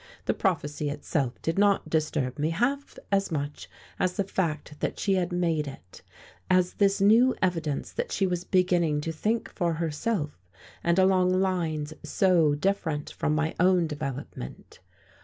The prophecy itself did not disturb me half as much as the fact that she had made it, as this new evidence that she was beginning to think for herself, and along lines so different from my own development.